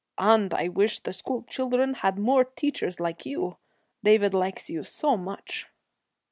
'And I wish the school children had more teachers like you. David likes you so much.'